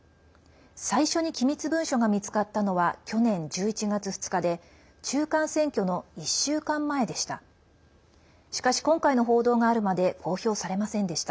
最初に機密文書が見つかったのは去年１１月２日で中間選挙の１週間前でした。